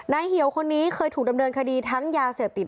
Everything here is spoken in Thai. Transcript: เหี่ยวคนนี้เคยถูกดำเนินคดีทั้งยาเสพติด